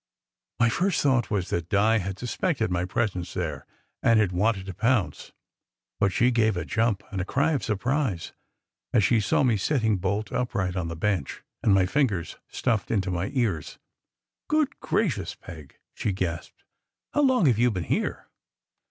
My first thought was that Di had suspected my presence there, and had wanted to pounce; but she gave a jump and a cry of surprise as she saw me sitting bolt upright on the bench, with my fingers stuffed into my ears. "Good gracious, Peg!" she gasped. "How long have you been here?"